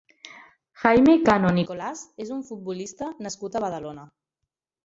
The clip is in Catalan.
Jaime Cano Nicolás és un futbolista nascut a Badalona.